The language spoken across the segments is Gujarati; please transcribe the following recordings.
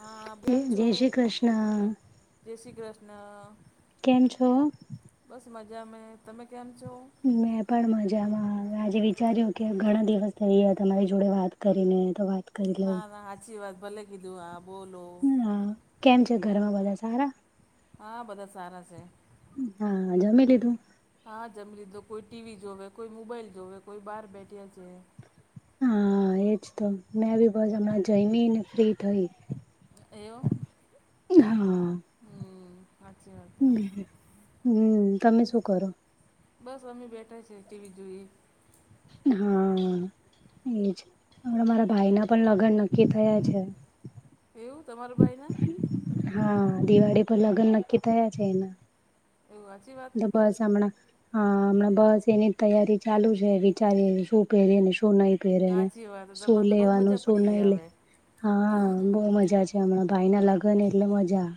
હા, બેમ જય છો? શ્રી કૃષ્ણ જય શ્રી કૃષ્ણ. કેમ છો? બસ મજા મે. તમે કેમ છો? મેં પણ મજામાં આજે વિચાર્યું કે ઘણા દિવસ થઈયા તમારી જોડે વાત કરીને તો વાત કરી લઉં ના ના હાચી વાત ભલે કીધું, હા બોલો. હા, કેમ છે ઘરમાં બધા સારા? હા બધા સારા છે હા, જમી લીધું? હા, જમી લીધું. કોઈ ટી વી જોવે, કોઈ મોબાઈલ જોવે, કોઈ બહાર બેઠ્યા છે. હા, એજ તો મેં બી બસ હમણાં જઈમી ને ફ્રી થઈ. એવું? એ હા. હમ્મ, હાચી વાત એ. હમ્મ, તમે શું કરો? બસ અમી બેઠા છે ટી વી જોઈએ. હા, એજ હમણાં મારા ભાઈ ના પણ લગ્ન નક્કી થયા છે. તે એવું તમાર ભાઈ ને? હા, દિવાળી પર લગ્ન નક્કી થયા છે એના. એવું હચી વાત.. બસ હમણા. હા, હમણાં બસ એની તૈયારી ચાલુ છે વિચારી શું પહેરીને શું નહી. પેરેને સાચી વાત શું તમારે તો બહુ લેવાનું મજા શું પડી નહી ગયા લે હવે હા, બઉુ મજા છે હમણાં ભાઈ ના લગન ને એટલે મજા.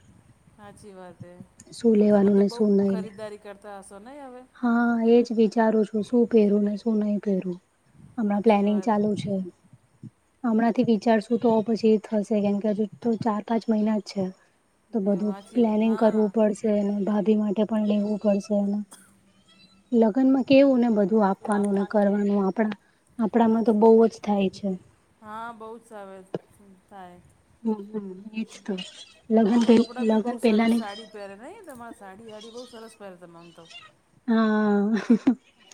હાચી વાત એ. શું તો તમે લેવાનું તો ને બઉ શું નહી લે ખરીદદારી કરતા હશો નહીં હવે? હા, એજ વિચારું છું શું પહેરું ને, શું નહી પહેરું. હમણાં સાચી પ્લેનિંગ વાત ચાલુ છે. હમણાં થી વિચારશું તો પછી થશે કેમ કે હજુ તો ચાર પાંચ મહિના જ છે. તો એ બધું સાચી પ્લાનિંગ કરવું હા પડશે અનેને ભાભી માટે પણ લેવું પડશેને. લગનમાં. કેવું ને બધું આપવાનું ને કરવાનું આપણા હા આપણામાં તો બહુ જ થાય છે. હા બહુ જ સતા થાય. હમ હમ એજ તો લગ્ન પ લગ્ન પેલા ને પહે્યારે નહી તો મા સાડી સાડી બહુ સરસ પહે્યારે તમ તો. હા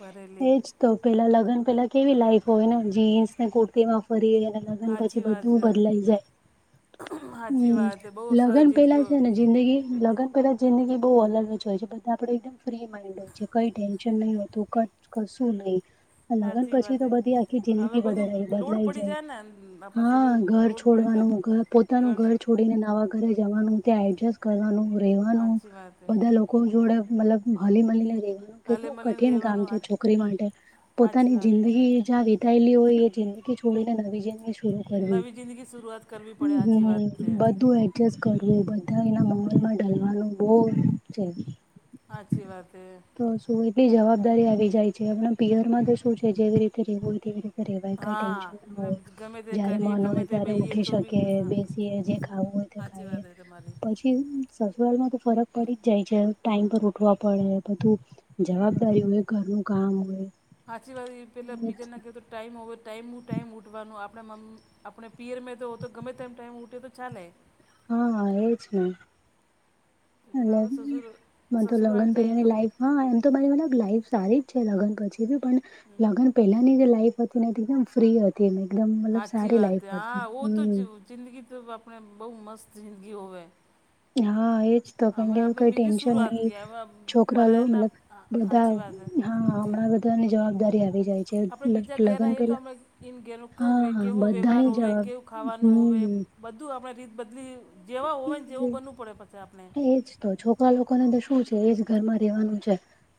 પહેરેલી તો પેલા લગ્ન પેલા કેવી લાઈફ હોય ને જીન્સ ને કુર્તીમાં ફરીય. લગન પછી સાચી વાત બધું છે બદલાઈ જાય સાચી વાત છે બહુ હમ સરસ લગ્ન પેલા જિંદગીઓ છે ને જિંદગી લગ્ન પેલા જિંદગી બહુ અલગ જ હોય છે બધા આપડે એકદમ ફ્રી હોય કઈ ટેન્શન નહી હતું કશું નહી. લગ્ન સાચી વાત પછી તો છે બધી આખી હવે જિંદગી બધું બદલા લોડ બદલાઈ પડી જાય ને આપણા હા શરીર ઉપર ઘર લોડ પડી જાય છોડવાનું- પોતાનું ઘર છોડીને નવા ઘરે જવાનું ત્યાં એડજસ્ટ કરવાનું રહેેવાનું સાચી વાત છે બધા લોકો ક જોડે મતલબ હલી મલી‌ને‌‌ રેવાનુ હલે કેટલું મળીને કઠિન કામ રહેવાનું છે હા- છોકરી માટે સાચી પોતાની વાત જિંદગી લી હોય એ જિંદગી છોડી ને નવી જિંદગી હ નવી જિંદગી શરૂઆત કરવી પડે સાચી વાત છે બધું કરવું બધા એના મોલમાં ઢલવાનું બહુ છે. હાચી વાત એ. તો શું એટલી જવાબદારી આવી જાય છે આપણા પિયરમાં તો શું છે જેવી રીતે રહેવું હોય તેવી રીતે. વાય ક હા ટેન્શન ના ગમે હોય તે જયારે કરીએ મન ગમે હોય તે ત્યારે બેહીએ ઉઠી શકે બેસી જે ખાવું હોય. તે સાાચી ખાઈએ વાત ર તમારી. પછી સસુરાળમાં તો ફરક પડી જાય છે ટાઈમ પર ઉવા પડે બધું જવાબદારી હોય ઘરનું કામ હોય. સાચી વાત પેલા બીજાના કહે તો ટાઈમ હો ટાઈમ હું ટાઈમ ઉઠવાનો આપણા મમ્મ આપણે પિયર મે તો તો ગમે તેમમ ટાઈમ ઉઠે તો ચાલેે. હા હા એજ ને. પેલા અને હવે સસુર મ તો સસુરાલ લગન જઈએ પલાની તો લાઈફ હા એમ તો મારી મ લાઈફ સારી જ છે લગન પછી બી પણ લગ્ન પહેલાની જે લાઈફ એકદમ ફ્રી હતી એકદમ મતલબ સારી લાઈફ હતી. જિંદી તો આપણે બહુ મસ્ત જિંદગી હોવે. હા એજ. તો અમે કોઈ આપણે બીજી ટટેન્શન શરૂઆત ન કરીએ હવે છોકરા લોો પરાયાના મલબ બધા સાચી વાત છે હા હમણાં બધા ની જવાબદારી આવી જાય છે. આપડણે બીજા ઘેરએ લગ્ન તો પેલા એન ઘેર કેવ હા કેવો વ્યવહાર બધાની હોવે જવાબ કેવું ખાવાનું હોવે હમ્મ. બધું આપણે રીત બદલી જેવા હોય ને જેવું બનવું પડે પછી આપણે. એજ તો છોકરા લોકોને તો શું છે એજ ઘર માં રેવાનું છે.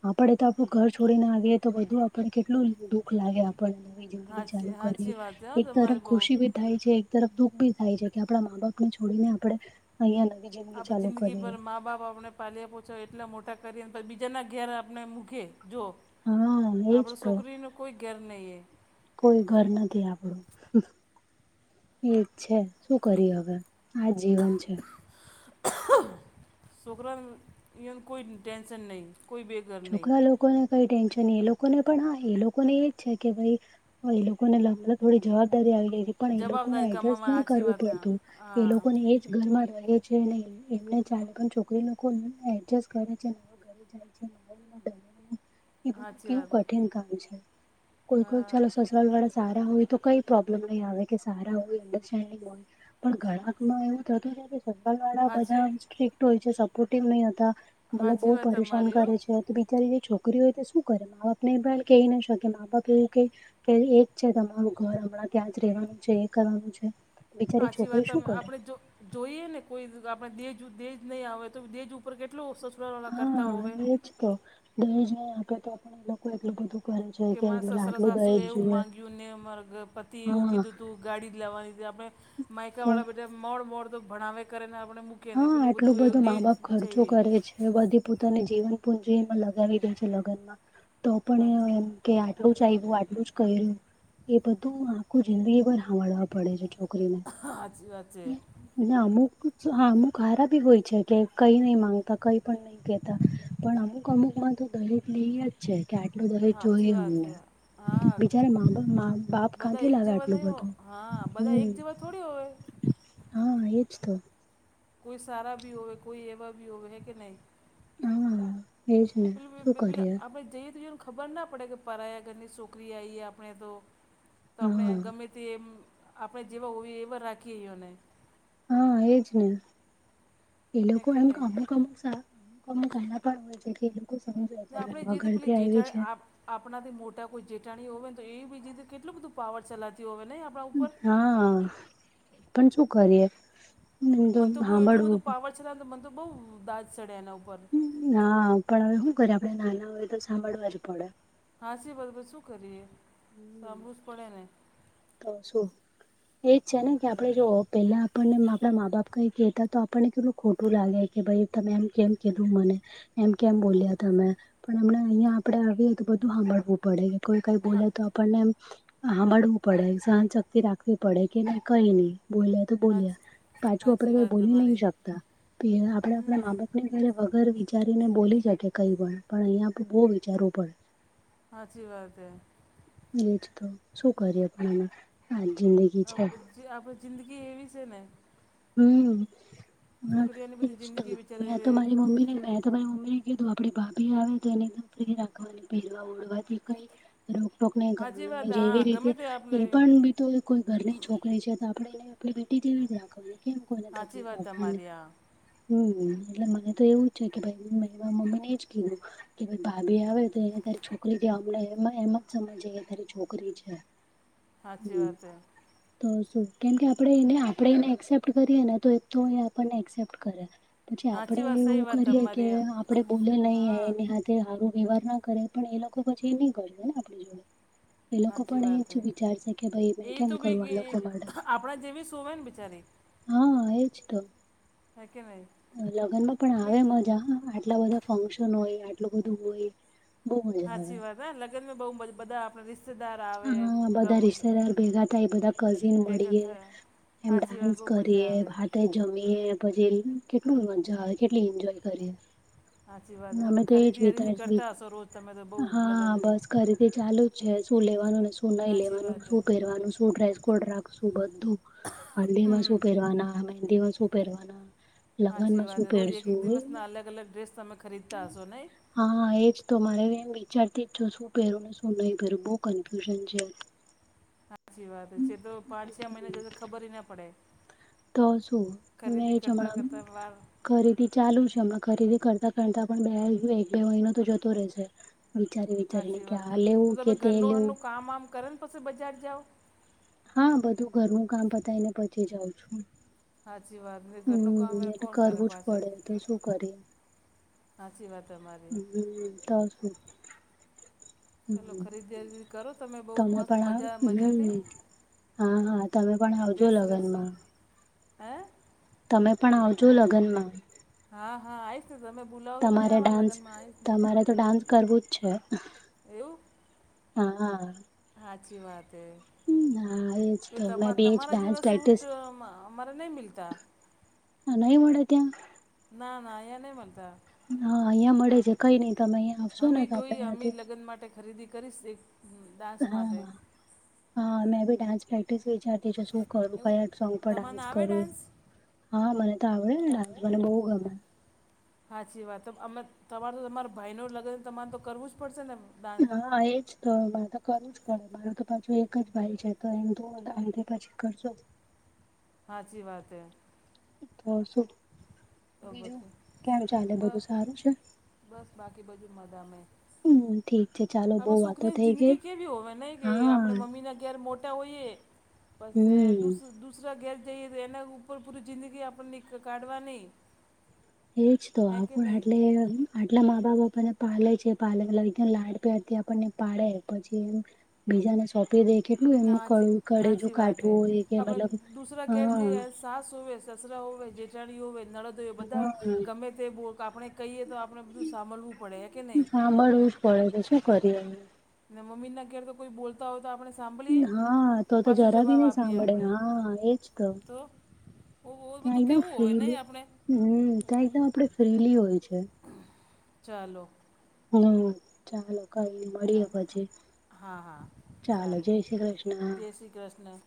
આપડે તો આપણું ઘર છોડીને આવીએ તો બધું આપડ કેટલું દુઃખ લાગે એમ. પણ નવી જિંદગી હાચી ચાલુ કરી હાચી વાત છે હો એક તરફ તમારી બહુ ખુશી થાય છે એક તરફ દુઃખ ભી થાય છે કે આપડા મા બાપ ને છોડીને આપડણે અહિયાં નવી જિંદગી ચાલુ કરીએ મા બાપ આપણે પાલ્યા પછો એટલા મોટા કરીએ બીજાના ઘેર આપણે મૂકી જો. હા એજ આપડ તો છોકરી ન કોઈ ઘેર નહી એ. કોઈ ઘર નથી આપડું એજ છે શું કરી હવે. આ જીવન છે. છોકરામાં ન કોઈ ટટેન્શન નહીં કોઈ બે છોકરા લોકોને કઈ ટેન્શન એ લોકોને પણ હા એ લોકોને એજ છે કે ભાઈ હ એ લોકોને મ થોડી જવાબદારી આવી ગઈ. પણ એ લોકોને જવાબદારી એડજસ્ટ નહી કમાવાની સાચી કરવું વાત હા પડતું એ લોકોને એ. ઘરમાં રહે છે એને એમને ચાર પાંચ પણ છોકરી લોકો એડજસ્ટ કરે છે નવા ઘરે જાય છે. માહોલમાં ડરવાનું એ હા સાચી કેવું વાત કઠિન કામ છે કોઈ કોઈ હા ચાલો. ઘરવાળા સારા હોય તો કઈ પ્રોબ્લેમ નહી આવે કે સારા હોય અન્ડરેન્ડિંગ હોય. પણ ગળાક માં એવું થતું છે કે સકલ વાળા સાચી બધા સ્ટ્રક્ટ હોય છે સપોર્ટિવ નહી હતા. મને બહુ સાચી વાત પરેશાન તમારી હો કરે તો બિચારી જે છોકરી હોય તો શું કરે મા બાપ ને પણ કહી ના શકે મા બાપ એવું કે. કે એ જ છે તમારું ઘર હમણાં ત્યાં જ રહેવાનું છે એ કરવાનું છે. બિચારી સાચી છોકરી વાત ત શું કરે આપણે જો. જોઈએ ને કોઈ આપણે દેજ દેજ નહીં આવે તો દેજ ઉપર કેટલો સસુરાવાલા કરતા હોવે. ઇજ તો દહેજ ની આપે તો પણ એ લોકો એટલું બધું. કરે છે કે મારે સસરા આટલું સાસુ દહેજ એવું જુએ માગ્યું ને મારા પતિએ એવું હા કીધું હતું ગાડી જ લેવાની હતી આપણે માયકા તો વાળા બધા મોડ મોડ તો ભણાવે કરે ને આપડે. હા આટલું બધું મા બાપ ખર્ચો કરે છે બધી ને જીવનપુંજી એમાં લગાવી દે છે લગ્નમાં તો પણ સાચી એમ. કે આટલું જ આપ્યું આટલું જ કર્યું એ બધું આખું જિંદગી પર હાભળવાનું. પડે છે છોકરીને સાચી વાત છે ને અમુક હા અમુક હારા બી હોય છે કે કઈ નઈ માંગતા કઈ પણ નહી. કેતા પણ અમુક અમુક મા તો દહેજ લેયજ. છે કે આટલું દહેજ સાચી જોઈએ વાત હમને છે હા બિચાર મા બાપ માં બાપ બધા ક્યાંથી એક લાવે જેવા આટલું નહીં હો બધું. હા બધા હમ એક જેવા થોડી હોવે. હા એજ તો કોઈ સારા ભી હોવે કોઈ એવા ભી હોવે હ કે નહી. હા એજ ને શું પે પે કરીએ આપડેઈએ તોઈ ખબર ના પડે કે પરાયા ઘરની છોકરી આવીએ આપણે તો તો આપણે હા ગમે. તેમ આપણે જેવા હોઈએ એવા રાખી એને. હા એજ ને એ હે લોકો કે એમ નહીં કમુ કમુક સા. અમુક અમુક એલા પણ હોય છે એ લોકો સમાય્યારે આગળથી આવી છે. આપણા થી મોટા કોઈ જેઠાણી હોય ને તો એ બીજીથી કેટલું બધું પાવર ચલાતી હોય ને. હા પણ શું કરીએ તો હાભળવું. પાછ મન તો બહુ દાજ ચડે એના ઉપર ના પણ હવે શું કરે આપડે નાના હોય તો સાંભળવા જ પડે. હાંસી બસ બ શું કરીએ સાંભળું જ પડે નને તો શું એજ છે ને કે આપડે જો પેલા આપણને આપણા મા બાપ કઈ કહેતા તો આપણને કેટલું ખોટું લાગે કે ભાઈ તમે એમ કેમ કીધું મને. એમ કેમ બોલ્યા તમે પણ અમને અહિયાં આપડે આવીએ તો બધું સાંભળવું પડે. કોઈ કઈ હા બોલે તો આપળે ને હાભળવું. પડે સહનશક્તિ રાખવી પડે કે ન કઈ નહી બોલે. હાચ બોલ્યા પાછું આપડે સાચી ક વાત બોલી નહી તમારી શકતા પ આપણે આપણા હમ મા બાપ ને ક. ઘર વિચારીને બોલી શકે કંઈ પણ અહીંયા બહુ વિચારવું પડે. હાચી વાત હૈ એજ તો શું કરીએ આપળ ને આ જિંદગી છે. જે આપણી જિંદગી એવી છે ને. હમ છોકરીઓની બધી જિંદગી મે તો બિચારી મારી મમ્મી ને મે. [unintelligible] રોકટોક નહી સાચી કરવાની વાત જેવી હા રીતે ગમે તે એ આપણે પણ બી તો કોઈ ઘરની છોકરી છે તો આપણે એને આપણી બેટી કેવી રાખવાની. કેમ કોઈને સાચી તકલીફ વાત આપવાની તમારી આ. હમ એટલે મને તો એવું જ છે કે ભાઈ મે એ મમ્મી ને એજ કેઉ કે ભાભી આવે તો તારી છોકરી છે અમને એ એમ જ સમજ તારી છોકરી છે. સાચી વાત તો શું કેમ કે આપ એ આપને એક્સેપ્ટ કરી ને તોને એસેપ્ટ કરે. પછી આપડે સાચી વાત સહી એવું વાત કરીએ કે તમારી આપડે બોલે નહી હા એ તે સારું વ્યવહાર ના કરે પણ એ લોકો પછી એ નય કરે ને આપણી જોડે એ લોકો સાચી પણ એ વાત જ વિચારશે કે ભાઈ એ કેમ તો કરું આ લોકો બી માટે આપણા જેવી શું હોય ને બિચારી હા એ છે તો. હા કે નય. લગ્નમાં પણ આવે મજા આટલા બધા ફંક્શન હોય આટલું બધું હોય. બહુ મજા આવે સાચી વાત હ લગનમાં બઉ બધા આપ હા બધા રિશ્તેદાર ભેગા થાય બધા કઝિન ભેગા મળીએ. થયા એમ સાચી વાત ડાન્સ બહુ મજા કરીએ. આવે જમીએ પછી કેટલું મજા આવે કેટલી એન્જોય કરી. સાચી વાત અમે તમે તો એજ ખરીદી હરીદી કરતા હશો રોજ તમે તો બહુ હા લગ્નની બસ ખરીદી ચાલુ છે શું લેવાનું ને શું નહી સાચી લેવાનું વાત હે શું પહેરવાનું શું ડ્રેસકોડ રાખશું બધું હલ્દી માં શું પહેરવાના મહેંદી માં શું પહેરવાના. સાચી લગ્નમાં શું વાત રોજ એક એક પહેરશું દિવસના અલગ અલગ ડ્રેસ તમે ખરીદતા હશો નહી. હા એજ તો મારે એમ વિચારતી જ શું પહેરું ને શું નહી પહેરું બોવ કન્ફ્યુઝન છે. સાચી વાત છે તો પાંચ છ મહિના જતા ખબરએ ના પડે. તો શું મેજ ખરીદી કરતાં હમણામાં કરતાં વાર ખરીદી ચાલુ છે હમણાં ખરીદી કરતા કરતાં પણ બે એક બે મહિનો તો જતો રહેશે. વિચારી વિચારીને સાચી કે વાત આ છે તો લેવું કે તમે તે ઘરનું લેવું હરનું કામ વામ કરો ને પછી બજાર જાવ. હા બધું ઘરનું કામ બતાયને પછી જાઉં છું. સાચી વાત ન ઘરનું કામ હમ એટલે કોણ કરે કરવું જ પાછળ પડે તો શું કરીએ સાચી વાત અમારી હમ તો શું. ચલો હમ ખરીદારી કરો બહુ તમે મસ્ત મજા મજાથી પણ હા હા તમે પણ આવજો ડ્રેસ સરસ લગ્નમાં [inaudible] તમે પણ આવજો લગ્નમાં હા હા આઈશ ને તમે ભૂલાવો તો નહી આવા લગનમાં આવીશ ને મારે તો ડાન્સ કરવું જ છે. એવું હા હા. હાચી વાત એજ હૈ. તો મેં બી એજ તમારા ડાન્સ જેવા પ્રેક્ટિસ સૂટ અમારે નહી મિલતા નય મળે ત્યાં. ના ના એ નહી મળતા. હા અહિયાં મળે છે કઈ નય તમે અહિયાં આવશો ને અમે તો આપડે જોઈએ અમે અહિયાંથી લગ્ન માટે ખરીદી કરીશ એક ડાન્સ માટે હા, હા મેંભી ડાન્સ પ્રેક્ટિસ વિચા બીજુ શું કરું, એવું ભાઈ આટ સોંગ પર તમાને ડાન્સ આવે કરું ડાન્સ હા મને તો આવડે ને ડાન્સ, મને બહુ ગમે. સાાચી વાત તો અમે તમારે તો તમારા ભાઈનો લગન છે તો તમારે તો કરવું જ પડશે ને ડાન્સ. હા એજ તો વાતો કરો. તો પાછું એકજ ભાઈ છે તો એમ આ પાછી કરશો. સાચી વાત હે. તો શું તો બીજું પછી કેમ ચાલે બસ બધું સારું છે. બસ બાકી બધું મજા મે. હમ ઠીક છે ચાલો બહુ આપડુ વાતો શોકરીન થઈ ગઈ જિંદગી કેવી હોવે નહી કે, આપણે હા મમ્મીના ઘેર મોટા હોઈએ. પશે હમ દુસ દુસરા ઘેર જઈએ તો એના ઉપર પૂરી જિંદગી આપણને ક કાઢવા ની. એજ તો આપ એટલે. આટલા મા બાપ આપણને પાલે છે, પાલે એકદમ લાડ પપ્યાર થી આપણને પાડે, પછી એ બીજાને સોંપી દે, કેટલું ના એમનું હાચી કડુ હાચી કળેજું વાત હે કાઠવું એ કે આપણે મતલબ દૂસરા હ. ઘેર જઈએ સાસ હોવેય, સસરા હોવે, જેઠાણી હોવે, નળદ તો એ બધા હા ગમે તે બો આપણે કહીએ તો આપણે બધું સાંભળવું પડે, કે નહીં? હામડવુજ પડે, તો શુ કરીએ? ને મમ્મી ના ઘેર તો કોઈ બોલ હોય તો આપણે સાંભળીએ? હા તો તો પાછું જરા બી જવાબ નહી આપીએ સાંભળે આપણેે, હા એજ તો. ઓ ત્યાં બધું એકદમ કેવું હોવે ફ્રીલી નહીં આપણે હમ્મ ત્યાં એકદમ આપડે ફ્રીલી હોય છે. ચાલો. હમ્મ ચાલો કઈની મળીયે ચાલો પછી, હા હા ચાલો સારું જય શ્રી કૃષ્ણ. જય શ્રી કૃષ્ણ